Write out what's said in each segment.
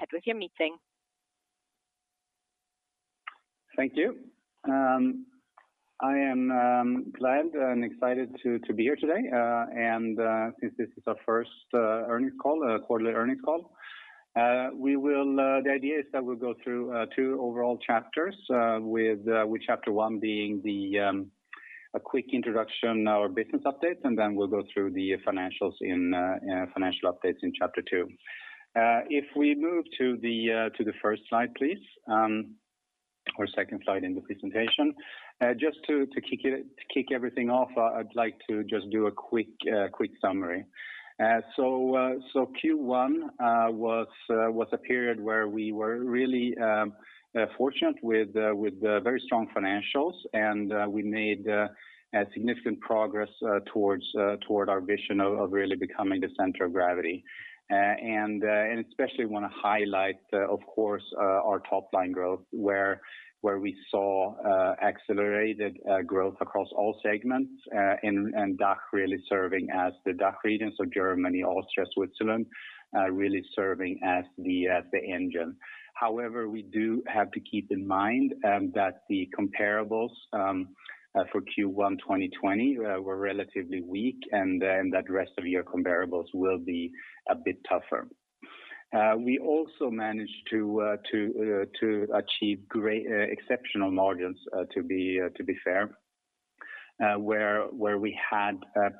Go ahead with your meeting. Thank you. I am glad and excited to be here today. Since this is our first quarterly earnings call, the idea is that we'll go through two overall chapters, with chapter one being a quick introduction, our business updates, and then we'll go through the financial updates in chapter two. If we move to the first slide, please, or second slide in the presentation. Just to kick everything off, I'd like to just do a quick summary. Q1 was a period where we were really fortunate with very strong financials, and we made significant progress toward our vision of really becoming the center of gravity. Especially want to highlight, of course, our top-line growth, where we saw accelerated growth across all segments, and DACH really serving DACH regions of Germany, Austria, Switzerland, really serving as the engine. However, we do have to keep in mind that the comparables for Q1 2020 were relatively weak, and then that rest of year comparables will be a bit tougher. We also managed to achieve exceptional margins, to be fair, where we had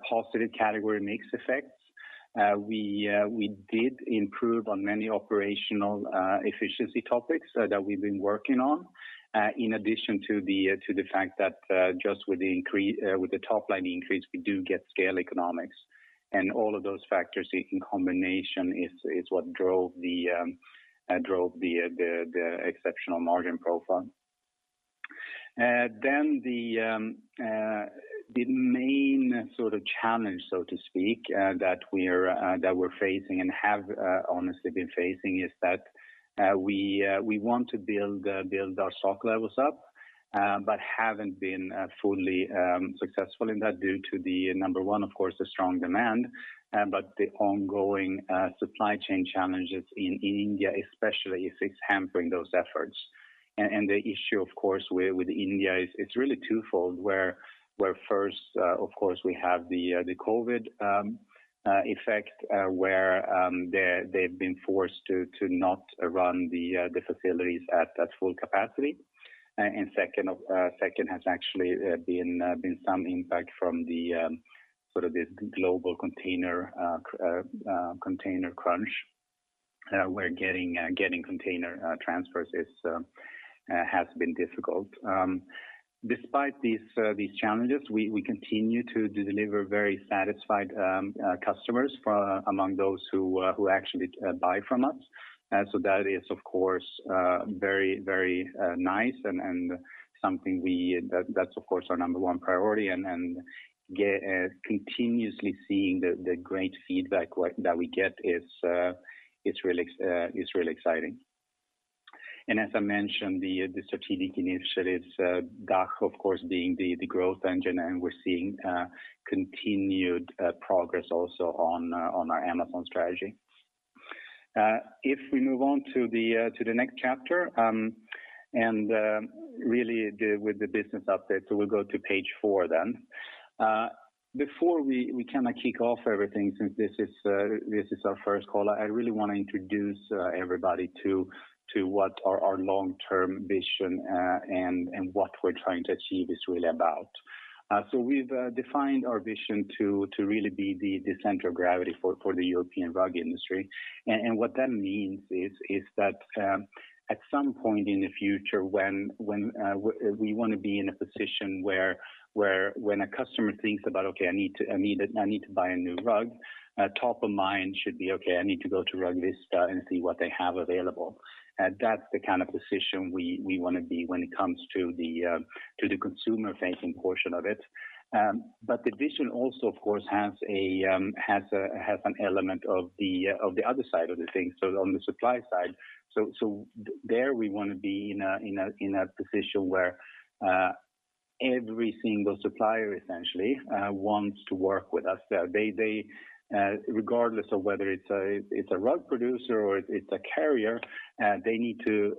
positive category mix effects. We did improve on many operational efficiency topics that we've been working on, in addition to the fact that just with the top-line increase, we do get scale economics. All of those factors in combination is what drove the exceptional margin profile. The main sort of challenge, so to speak, that we're facing and have honestly been facing is that we want to build our stock levels up, but haven't been fully successful in that due to the number one, of course, the strong demand, but the ongoing supply chain challenges in India especially, is hampering those efforts. The issue, of course, with India is really twofold, where first, of course, we have the COVID effect, where they've been forced to not run the facilities at full capacity. Second has actually been some impact from the sort of this global container crunch, where getting container transfers has been difficult. Despite these challenges, we continue to deliver very satisfied customers among those who actually buy from us. That is, of course, very nice and that's, of course, our number one priority, and continuously seeing the great feedback that we get is really exciting. As I mentioned, the strategic initiatives, DACH, of course, being the growth engine, and we're seeing continued progress also on our Amazon strategy. If we move on to the next chapter, and really with the business update, we'll go to page four then. Before we kind of kick off everything, since this is our first call, I really want to introduce everybody to what our long-term vision and what we're trying to achieve is really about. We've defined our vision to really be the center of gravity for the European rug industry. What that means is that at some point in the future, when we want to be in a position where when a customer thinks about, "Okay, I need to buy a new rug," top of mind should be, "Okay, I need to go to Rugvista and see what they have available." That's the kind of position we want to be when it comes to the consumer-facing portion of it. The vision also, of course, has an element of the other side of the thing, so on the supply side. There, we want to be in a position where every single supplier essentially wants to work with us. Regardless of whether it's a rug producer or it's a carrier, they need to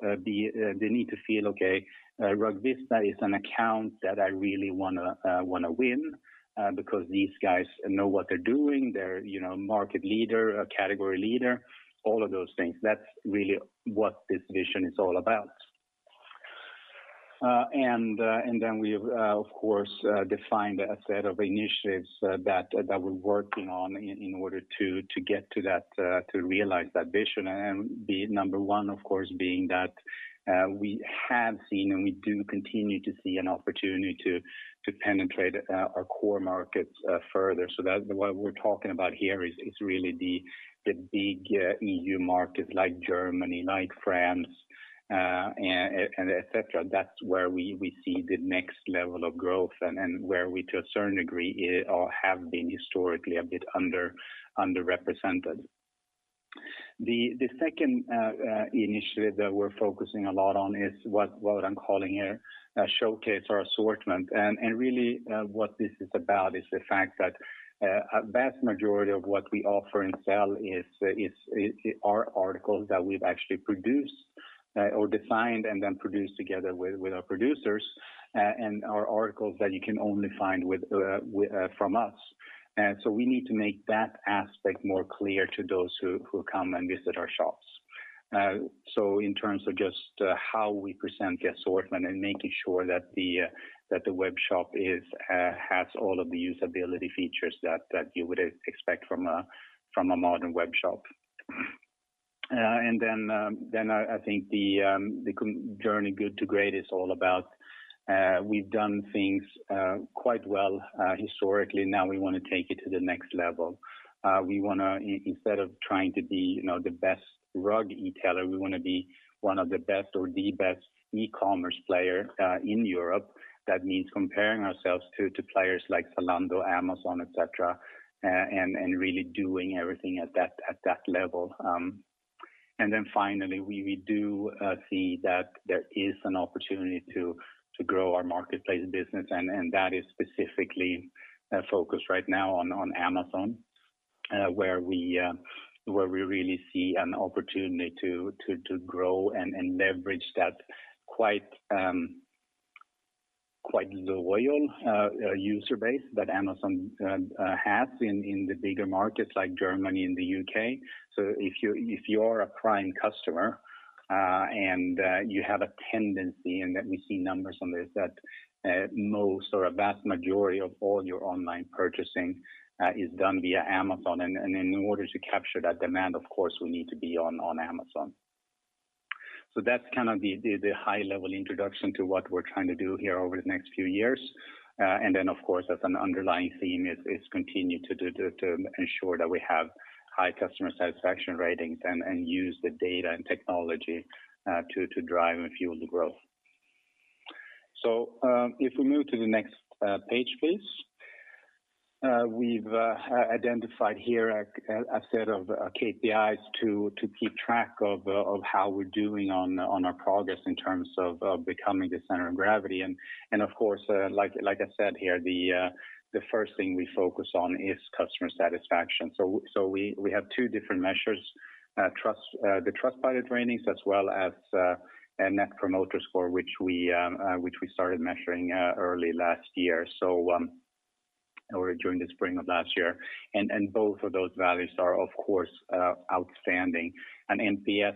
feel, "Okay Rugvista is an account that I really want to win because these guys know what they're doing. They're a market leader, a category leader," all of those things. That's really what this vision is all about. Then we've, of course, defined a set of initiatives that we're working on in order to realize that vision. The number one, of course, being that we have seen and we do continue to see an opportunity to penetrate our core markets further. What we're talking about here is really the big EU markets like Germany, like France, et cetera. That's where we see the next level of growth and where we, to a certain degree, have been historically a bit underrepresented. The second initiative that we're focusing a lot on is what I'm calling here, showcase our assortment. Really what this is about is the fact that a vast majority of what we offer and sell are articles that we've actually produced or designed and then produced together with our producers, and are articles that you can only find from us. We need to make that aspect more clear to those who come and visit our shops. In terms of just how we present the assortment and making sure that the web shop has all of the usability features that you would expect from a modern web shop. I think the journey good to great is all about we've done things quite well historically, now we want to take it to the next level. Instead of trying to be the best Rugvista e-tailer, we want to be one of the best or the best e-commerce player in Europe. That means comparing ourselves to players like Zalando, Amazon, et cetera, and really doing everything at that level. Finally, we do see that there is an opportunity to grow our marketplace business, and that is specifically focused right now on Amazon, where we really see an opportunity to grow and leverage that quite loyal user base that Amazon has in the bigger markets like Germany and the U.K. If you're a Prime customer, and you have a tendency, and that we see numbers on this, that most or a vast majority of all your online purchasing is done via Amazon. In order to capture that demand, of course, we need to be on Amazon. That's kind of the high-level introduction to what we're trying to do here over the next few years. Of course, as an underlying theme is continue to ensure that we have high customer satisfaction ratings and use the data and technology to drive and fuel the growth. If we move to the next page, please. We've identified here a set of KPIs to keep track of how we're doing on our progress in terms of becoming the center of gravity. Of course, like I said here, the first thing we focus on is customer satisfaction. We have two different measures, the Trustpilot ratings as well as Net Promoter Score, which we started measuring early last year, or during the spring of last year. Both of those values are, of course, outstanding. An NPS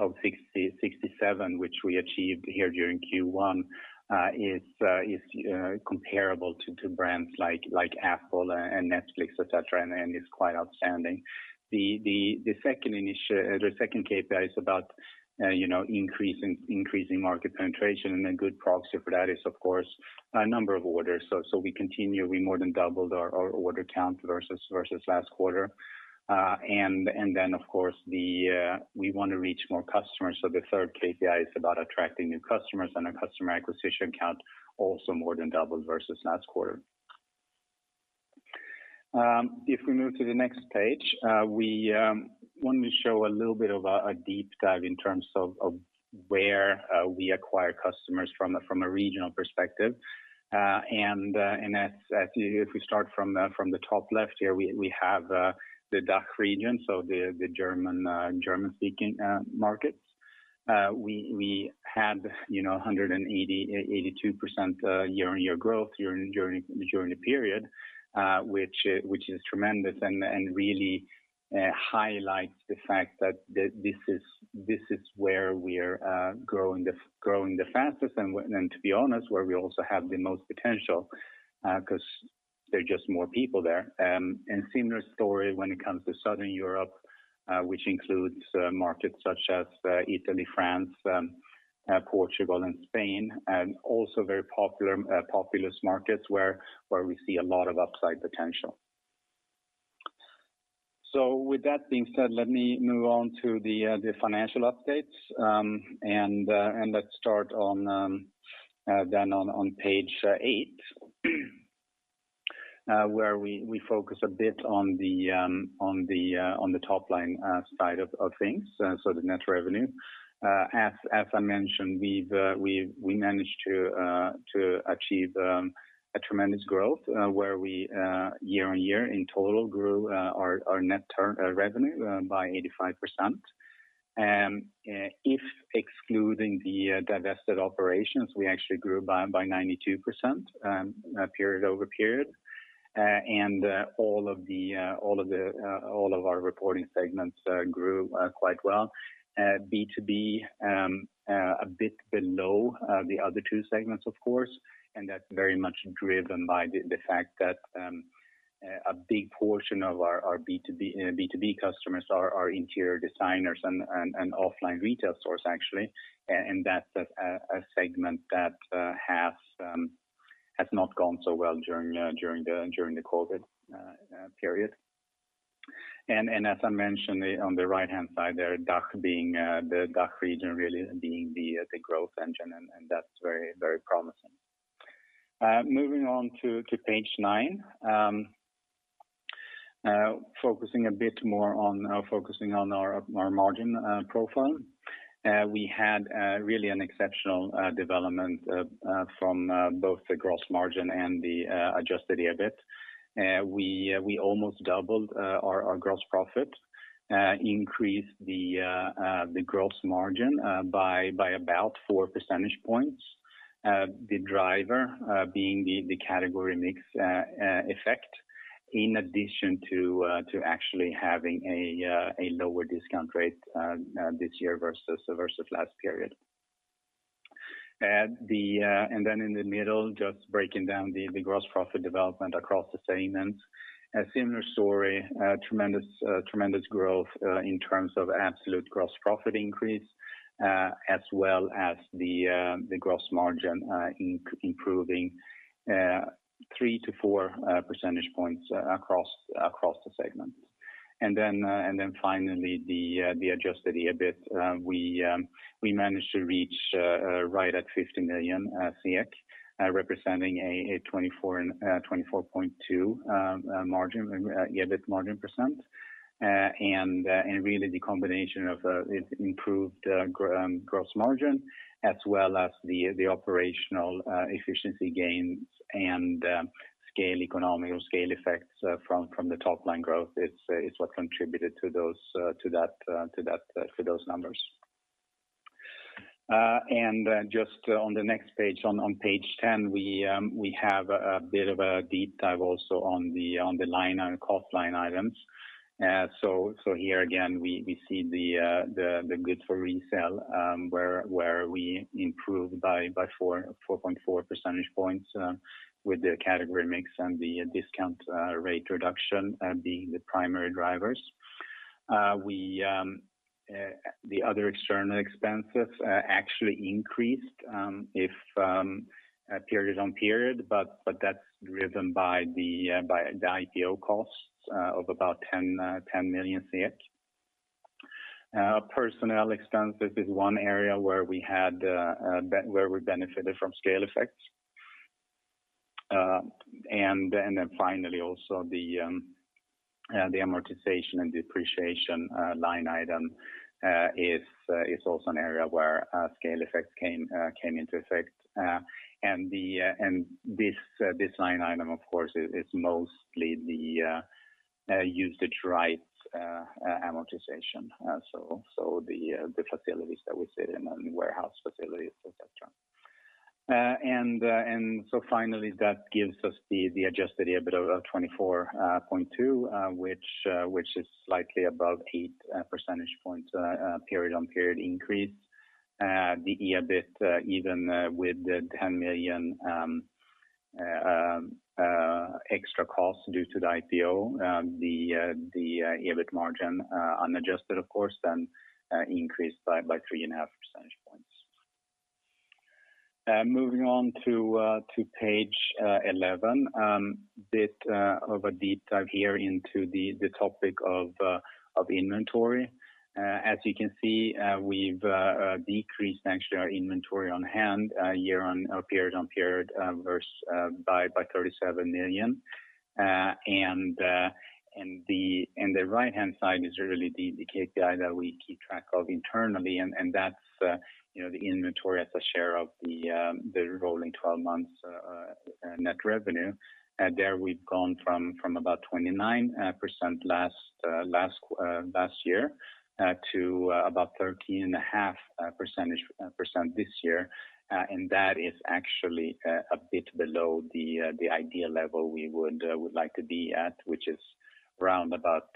of 67, which we achieved here during Q1, is comparable to brands like Apple and Netflix, et cetera, and is quite outstanding. The second KPI is about increasing market penetration, and a good proxy for that is, of course, number of orders. We continue, we more than doubled our order count versus last quarter. Then, of course, we want to reach more customers. The third KPI is about attracting new customers, and our customer acquisition count also more than doubled versus last quarter. We move to the next page, we want to show a little bit of a deep dive in terms of where we acquire customers from a regional perspective. If we start from the top left here, we have the DACH region, so the German-speaking markets. We had 182% year-on-year growth during the period, which is tremendous and really highlights the fact that this is where we're growing the fastest and to be honest, where we also have the most potential, because there are just more people there. Similar story when it comes to Southern Europe, which includes markets such as Italy, France, Portugal, and Spain, and also very populous markets where we see a lot of upside potential. With that being said, let me move on to the financial updates, and let's start then on page eight, where we focus a bit on the top-line side of things, so the net revenue. As I mentioned, we managed to achieve a tremendous growth, where we year-on-year in total grew our net revenue by 85%. If excluding the divested operations, we actually grew by 92% period-over-period. All of our reporting segments grew quite well. B2B a bit below the other two segments, of course, and that's very much driven by the fact that a big portion of our B2B customers are interior designers and offline retail stores, actually. That's a segment that has not gone so well during the COVID period. As I mentioned, on the right-hand side there, the DACH region really being the growth engine, and that's very promising. Moving on to page nine, focusing a bit more on our margin profile. We had really an exceptional development from both the gross margin and the adjusted EBIT. We almost doubled our gross profit, increased the gross margin by about four percentage points. The driver being the category mix effect in addition to actually having a lower discount rate this year versus last period. Then in the middle, just breaking down the gross profit development across the segments. A similar story, tremendous growth in terms of absolute gross profit increase, as well as the gross margin improving three to four percentage points across the segments. Then finally, the adjusted EBIT. We managed to reach right at 50 million, representing a 24.2% EBIT margin. Really the combination of the improved gross margin as well as the operational efficiency gains and scale economics or scale effects from the top-line growth is what contributed to those numbers. Just on the next page, on page 10, we have a bit of a deep dive also on the line and cost line items. Here again, we see the goods for resale, where we improved by 4.4 percentage points with the category mix and the discount rate reduction being the primary drivers. The other external expenses actually increased period on period, but that's driven by the IPO costs of about 10 million. Personnel expenses is one area where we benefited from scale effects. Then finally also the amortization and depreciation line item is also an area where scale effects came into effect. This line item, of course, is mostly the usage rights amortization. The facilities that we sit in and warehouse facilities, et cetera. Finally, that gives us the adjusted EBITA of 24.2, which is slightly above eight percentage points period on period increase. The EBIT even with the 10 million extra cost due to the IPO, the EBIT margin unadjusted, of course, then increased by three and a half percentage points. Moving on to page 11. A bit of a deep dive here into the topic of inventory. As you can see, we've decreased actually our inventory on hand period on period by SEK 37 million. The right-hand side is really the KPI that we keep track of internally, and that's the inventory as a share of the rolling 12 months net revenue. There we've gone from about 29% last year to about 13.5% this year. That is actually a bit below the ideal level we would like to be at, which is around about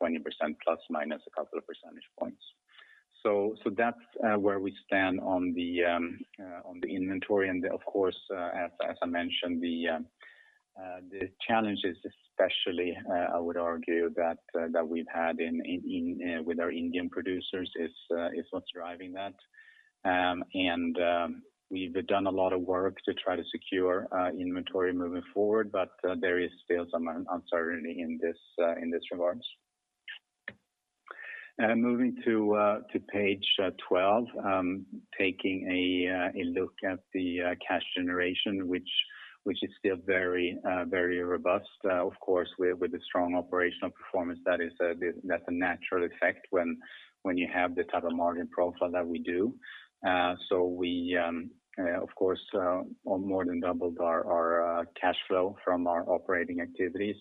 20% plus minus a couple of percentage points. That's where we stand on the inventory. Of course, as I mentioned, the challenges especially I would argue that we've had with our Indian producers is what's driving that. We've done a lot of work to try to secure inventory moving forward, but there is still some uncertainty in this regards. Moving to page 12, taking a look at the cash generation, which is still very robust. Of course, with the strong operational performance, that's a natural effect when you have the type of margin profile that we do. We, of course, more than doubled our cash flow from our operating activities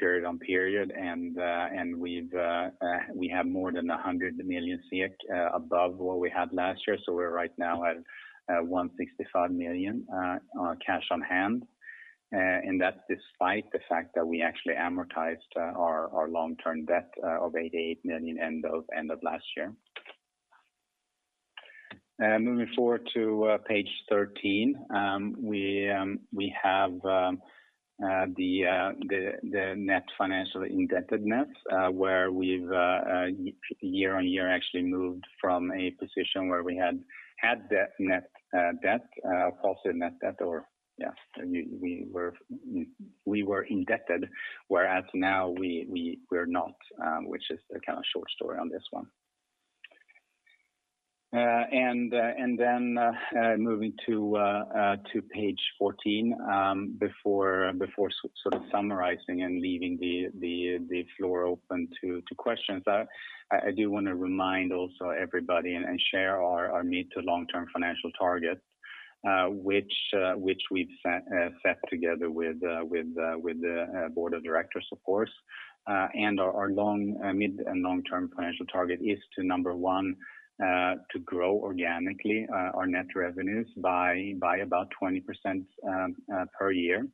period on period. We have more than 100 million above what we had last year. We're right now at 165 million cash on hand. That's despite the fact that we actually amortized our long-term debt of 88 million end of last year. Moving forward to page 13. We have the net financial indebtedness where we've year-on-year actually moved from a position where we had net debt, false net debt or we were indebted, whereas now we're not, which is the short story on this one. Moving to page 14, before sort of summarizing and leaving the floor open to questions, I do want to remind also everybody and share our mid to long-term financial targets which we've set together with the board of directors, of course. Our mid and long-term financial target is to, number one, to grow organically our net revenues by about 20% per year.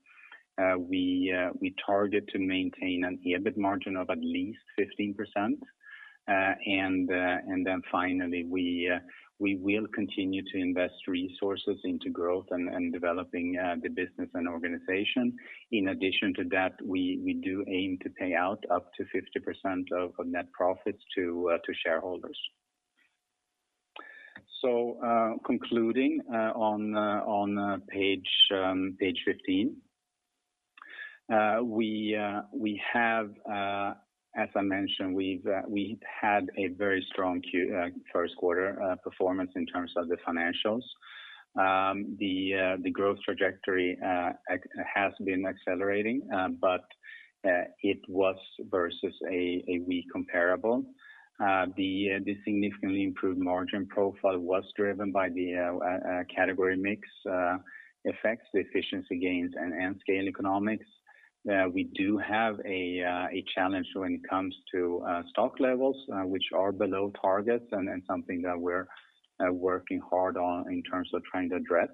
We target to maintain an EBIT margin of at least 15%. Finally, we will continue to invest resources into growth and developing the business and organization. In addition to that, we do aim to pay out up to 50% of net profits to shareholders. Concluding on page 15. As I mentioned, we had a very strong first quarter performance in terms of the financials. The growth trajectory has been accelerating, but it was versus a weak comparable. The significantly improved margin profile was driven by the category mix effects, the efficiency gains, and scale economics. We do have a challenge when it comes to stock levels, which are below targets and something that we're working hard on in terms of trying to address.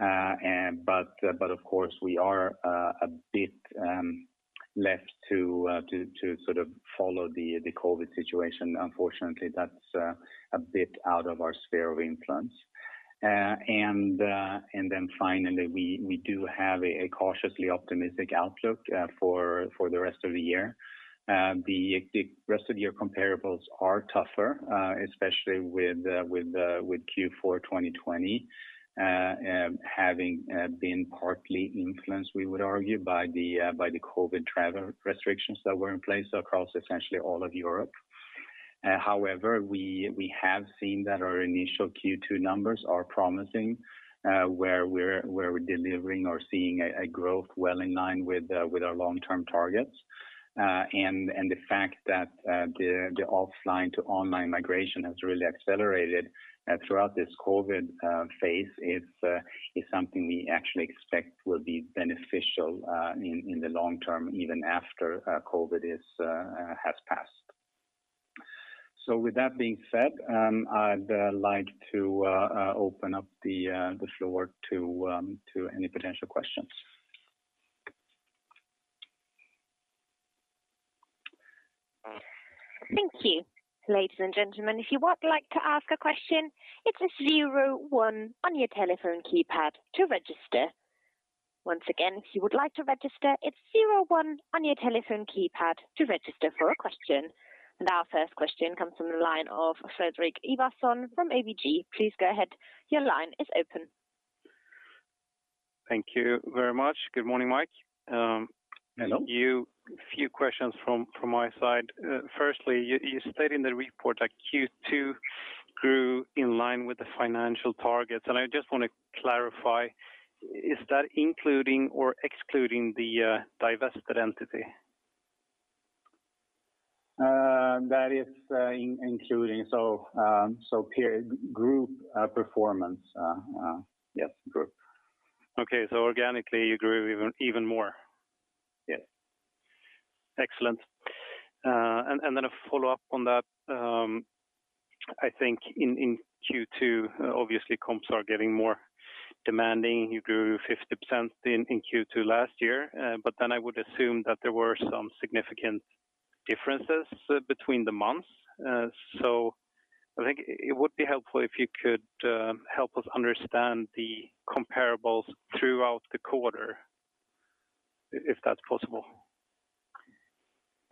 Of course, we are a bit left to sort of follow the COVID situation. Unfortunately, that's a bit out of our sphere of influence. Finally, we do have a cautiously optimistic outlook for the rest of the year. The rest of year comparables are tougher, especially with Q4 2020, having been partly influenced, we would argue, by the COVID travel restrictions that were in place across essentially all of Europe. However, we have seen that our initial Q2 numbers are promising, where we're delivering or seeing a growth well in line with our long-term targets. The fact that the offline to online migration has really accelerated throughout this COVID phase is something we actually expect will be beneficial in the long term, even after COVID has passed. With that being said, I'd like to open up the floor to any potential questions. Thank you. Ladies and gentlemen, if you would like to ask a question, it's a zero one on your telephone keypad to register. Once again, if you would like to register, it's zero one on your telephone keypad to register for a question. Our first question comes from the line of Fredrik Ivarsson from ABG. Please go ahead. Your line is open. Thank you very much. Good morning, Mike. Hello. A few questions from my side. Firstly, you stated in the report that Q2 grew in line with the financial targets, and I just want to clarify, is that including or excluding the divested entity? That is including, peer group performance. Yes, Group. Okay. organically you grew even more? Yes. Excellent. A follow-up on that. I think in Q2, obviously comps are getting more demanding. You grew 50% in Q2 last year. I would assume that there were some significant differences between the months. I think it would be helpful if you could help us understand the comparables throughout the quarter, if that's possible.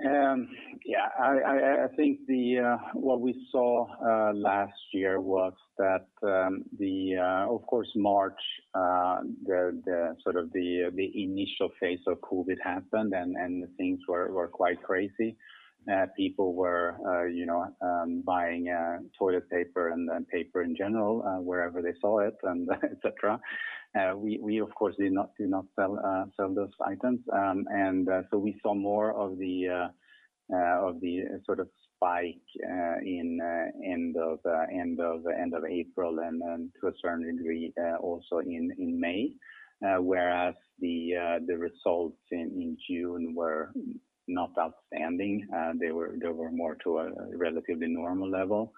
Yeah. I think what we saw last year was that, of course, March, the sort of initial phase of COVID happened. Things were quite crazy. People were buying toilet paper and paper in general, wherever they saw it, and et cetera. We, of course, did not sell those items. We saw more of the sort of spike in the end of April and to a certain degree, also in May. Whereas the results in June were not outstanding. They were more to a relatively normal level.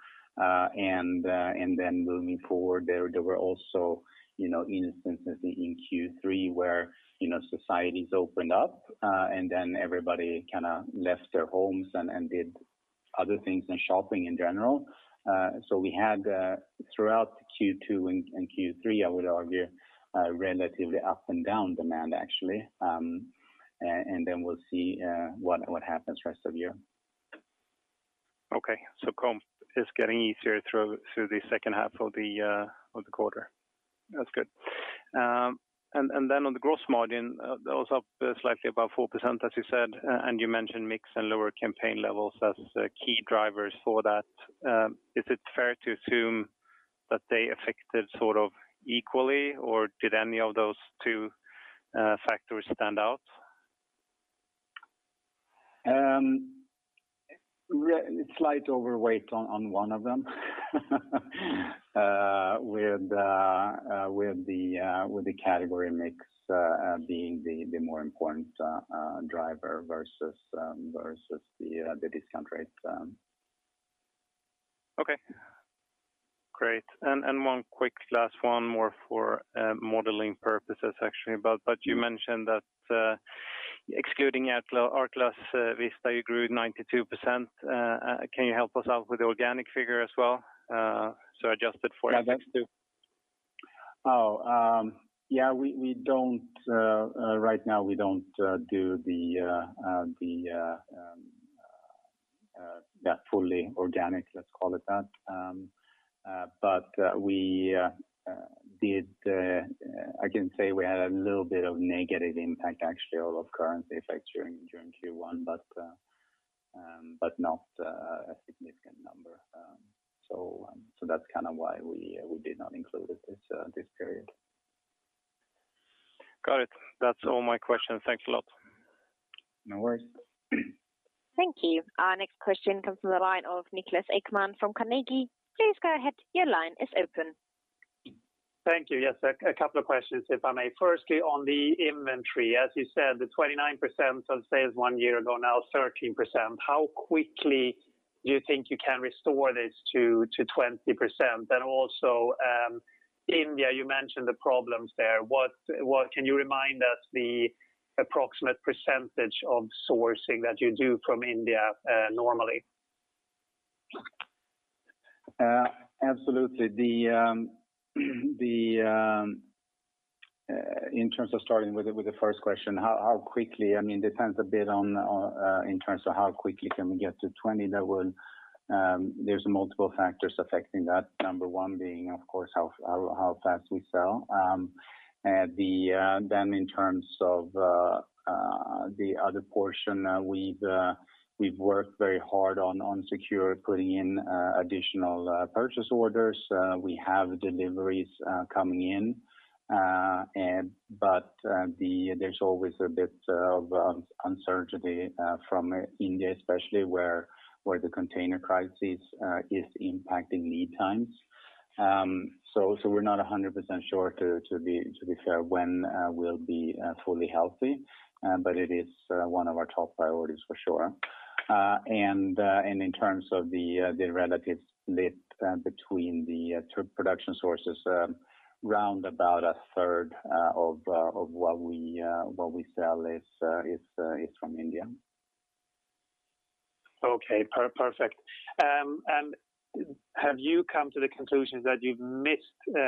Moving forward, there were also instances in Q3 where societies opened up, and then everybody kind of left their homes and did other things and shopping in general. We had throughout Q2 and Q3, I would argue, relatively up and down demand, actually. We'll see what happens rest of the year. Comp is getting easier through the second half of the quarter. That's good. On the gross margin, that was up slightly above 4%, as you said, and you mentioned mix and lower campaign levels as key drivers for that. Is it fair to assume that they affected sort of equally, or did any of those two factors stand out? Slight overweight on one of them. With the category mix being the more important driver versus the discount rate. Okay, great. One quick last one more for modeling purposes, actually. You mentioned that excluding ArtGlassVista grew 92%. Can you help us out with the organic figure as well? Adjusted for FX too? Yeah. Right now we don't do the fully organic, let's call it that. I can say we had a little bit of negative impact actually of currency effects during Q1, but not a significant number. That's why we did not include it this period. Got it. That's all my questions. Thanks a lot. No worries. Thank you. Our next question comes from the line of Niklas Ekman from Carnegie. Please go ahead. Your line is open. Thank you. Yes, a couple of questions, if I may. Firstly, on the inventory, as you said, the 29% of sales one year ago, now 13%. How quickly do you think you can restore this to 20%? Also, India, you mentioned the problems there. Can you remind us the approximate percentage of sourcing that you do from India normally? Absolutely. In terms of starting with the first question, how quickly? It depends a bit in terms of how quickly can we get to 20. There's multiple factors affecting that. Number one being, of course, how fast we sell. In terms of the other portion, we've worked very hard on secure, putting in additional purchase orders. We have deliveries coming in. There's always a bit of uncertainty from India, especially where the container crisis is impacting lead times. We're not 100% sure, to be fair, when we'll be fully healthy. It is one of our top priorities for sure. In terms of the relative split between the production sources, round about a third of what we sell is from India. Okay, perfect. Have you come to the conclusion that you've missed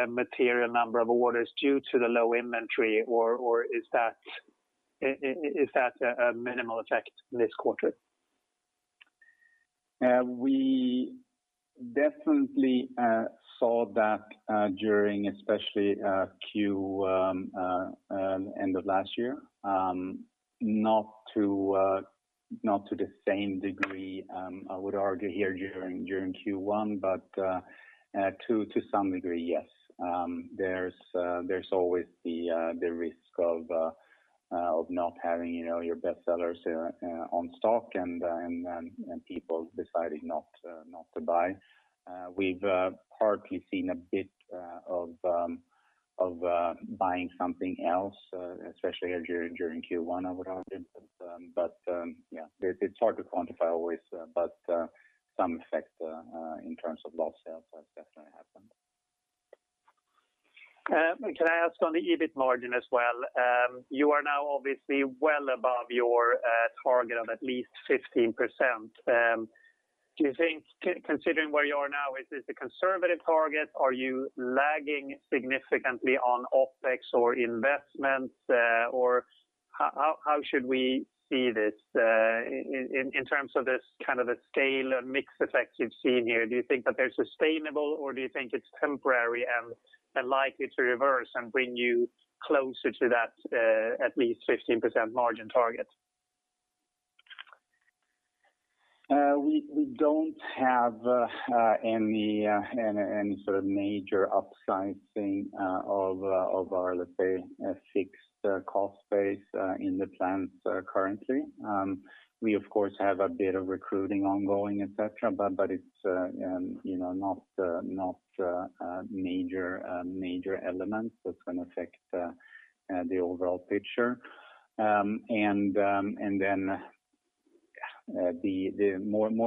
a material number of orders due to the low inventory, or is that a minimal effect this quarter? We definitely saw that during especially end of last year, not to the same degree, I would argue here during Q1, but to some degree, yes. There's always the risk of not having your best sellers on stock and people deciding not to buy. We've partly seen a bit of buying something else, especially during Q1, I would argue. Yeah, it's hard to quantify always, but some effect in terms of lost sales has definitely happened. Can I ask on the EBIT margin as well? You are now obviously well above your target of at least 15%. Do you think, considering where you are now, is this a conservative target? Are you lagging significantly on OpEx or investments? How should we see this in terms of this scale and mix effect you've seen here? Do you think that they're sustainable, or do you think it's temporary and likely to reverse and bring you closer to that at least 15% margin target? We don't have any sort of major upsizing of our, let's say, fixed cost base in the plants currently. We, of course, have a bit of recruiting ongoing, et cetera. It's not major elements that's going to affect the overall picture. More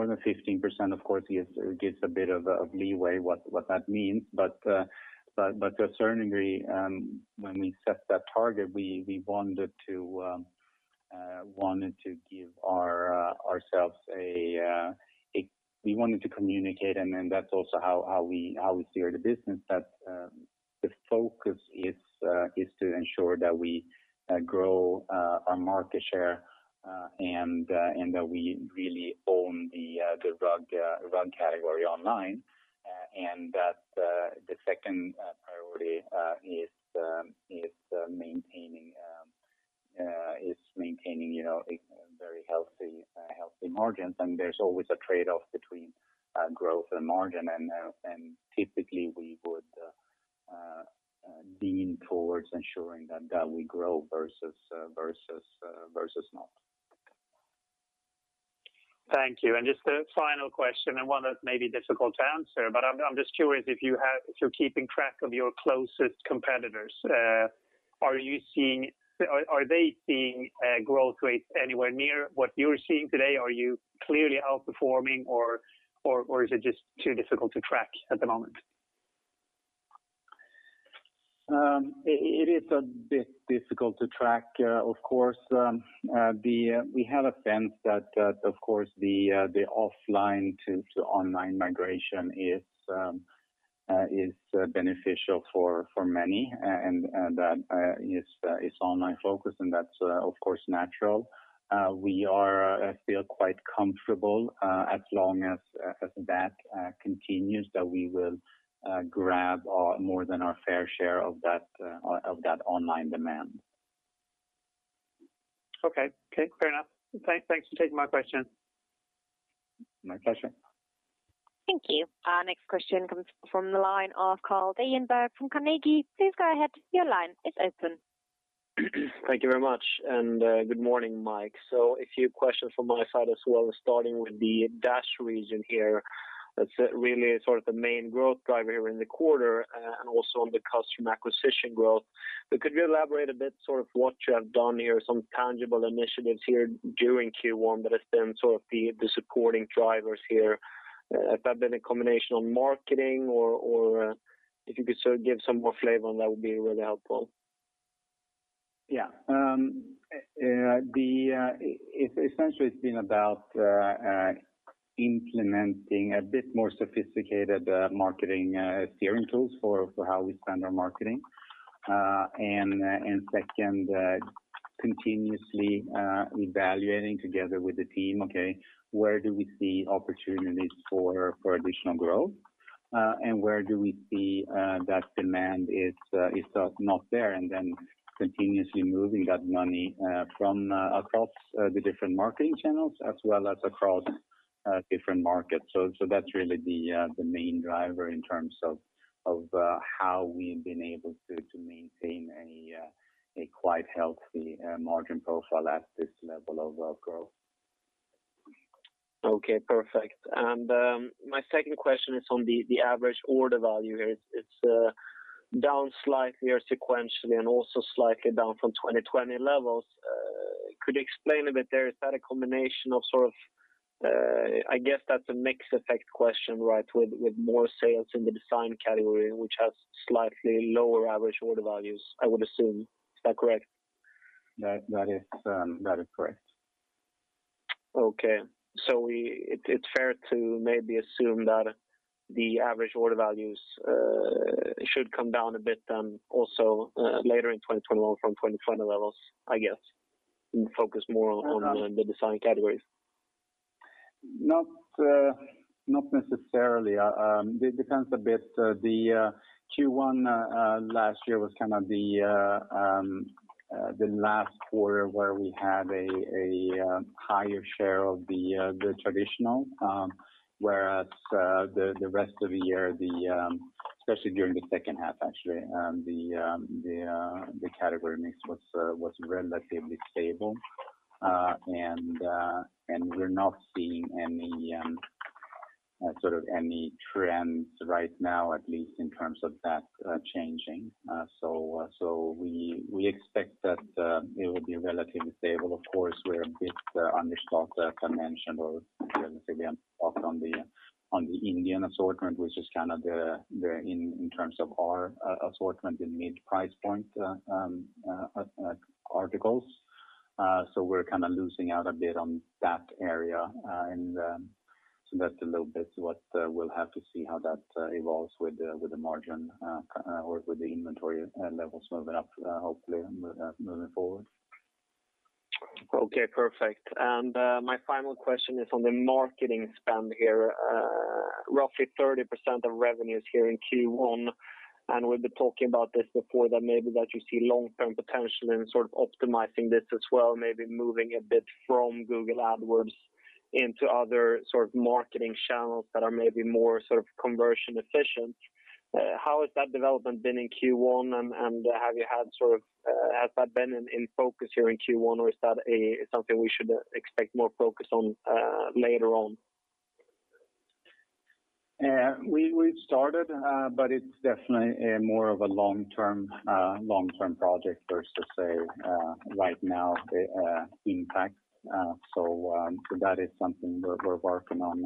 than 15%, of course, gives a bit of leeway what that means. To a certain degree, when we set that target, we wanted to communicate, and then that's also how we steer the business, that the focus is to ensure that we grow our market share and that we really own the rug category online. That the second priority is maintaining very healthy margins. There's always a trade-off between growth and margin. Typically, we would lean towards ensuring that we grow versus not. Thank you. Just a final question and one that may be difficult to answer, but I'm just curious if you're keeping track of your closest competitors. Are they seeing growth rates anywhere near what you're seeing today? Are you clearly outperforming or is it just too difficult to track at the moment? It is a bit difficult to track, of course. We have a sense that, of course, the offline to online migration is beneficial for many and that its online focus and that's of course natural. We are still quite comfortable as long as that continues, that we will grab more than our fair share of that online demand. Okay. Fair enough. Thanks for taking my question. My pleasure. Thank you. Our next question comes from the line of Carl Deijenberg from Carnegie. Please go ahead. Thank you very much. Good morning, Mike. A few questions from my side as well, starting with the DACH region here. That's really sort of the main growth driver here in the quarter and also on the customer acquisition growth. Could you elaborate a bit sort of what you have done here, some tangible initiatives here during Q1 that has been sort of the supporting drivers here? Has that been a combination on marketing or if you could sort of give some more flavor on that would be really helpful. Yeah. Essentially it's been about implementing a bit more sophisticated marketing steering tools for how we spend our marketing. Second, continuously evaluating together with the team, okay, where do we see opportunities for additional growth? Where do we see that demand is not there, continuously moving that money from across the different marketing channels as well as across different markets. That's really the main driver in terms of how we've been able to maintain a quite healthy margin profile at this level of growth. Okay, perfect. My second question is on the average order value here. It's down slightly or sequentially and also slightly down from 2020 levels. Could you explain a bit there? Is that a combination of sort of, I guess that's a mix effect question, right? With more sales in the design category, which has slightly lower average order values, I would assume. Is that correct? That is correct. Okay. It's fair to maybe assume that the average order values should come down a bit then also later in 2021 from 2020 levels, I guess, and focus more on the design categories. Not necessarily. It depends a bit. The Q1 last year was kind of the last quarter where we had a higher share of the traditional, whereas, the rest of the year, especially during the second half, actually, the category mix was relatively stable. We're not seeing any sort of any trends right now, at least in terms of that changing. We expect that it will be relatively stable. Of course, we're a bit understocked, as I mentioned, or relatively understocked on the Indian assortment, which is kind of in terms of our assortment in mid-price point articles. We're kind of losing out a bit on that area. That's a little bit what we'll have to see how that evolves with the margin or with the inventory levels moving up, hopefully moving forward. Okay, perfect. My final question is on the marketing spend here. Roughly 30% of revenues here in Q1, and we've been talking about this before, that maybe that you see long-term potential in sort of optimizing this as well, maybe moving a bit from Google Ads into other sort of marketing channels that are maybe more sort of conversion efficient. How has that development been in Q1 and has that been in focus here in Q1 or is that something we should expect more focus on later on? We've started, but it's definitely more of a long-term project versus a right now impact. That is something we're working on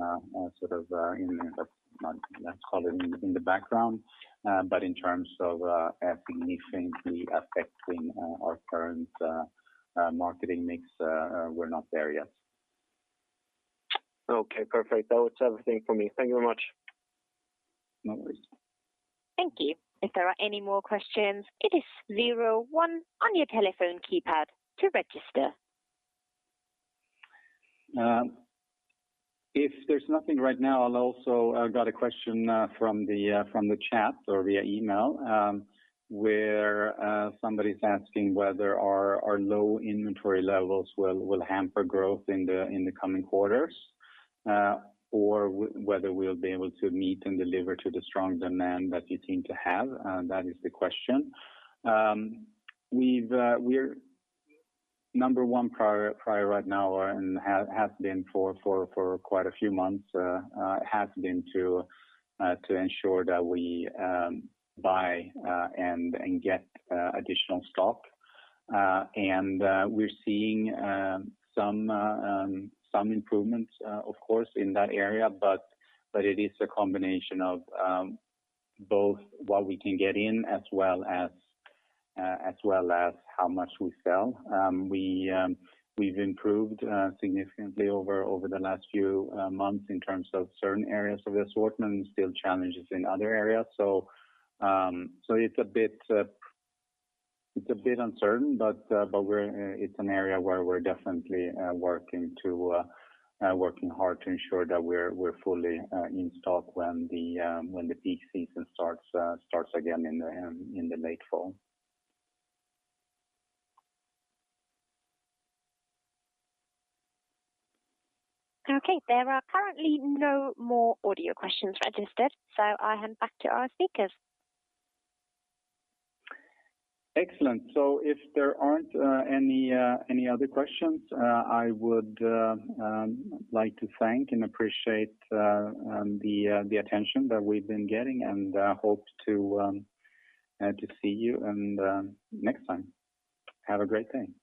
sort of in the, let's call it in the background. In terms of significantly affecting our current marketing mix, we're not there yet. Okay, perfect. That was everything for me. Thank you very much. No worries. Thank you. If there are any more questions, it is zero one on your telephone keypad to register. If there's nothing right now, I also got a question from the chat or via email, where somebody's asking whether our low inventory levels will hamper growth in the coming quarters. Whether we'll be able to meet and deliver to the strong demand that you seem to have? That is the question. Number one priority right now and has been for quite a few months, has been to ensure that we buy and get additional stock. We're seeing some improvements, of course, in that area, but it is a combination of both what we can get in as well as how much we sell. We've improved significantly over the last few months in terms of certain areas of the assortment and still challenges in other areas. It's a bit uncertain, but it's an area where we're definitely working hard to ensure that we're fully in stock when the peak season starts again in the late fall. Okay. There are currently no more audio questions registered, so I hand back to our speakers. Excellent. If there aren't any other questions, I would like to thank and appreciate the attention that we've been getting and hope to see you next time. Have a great day.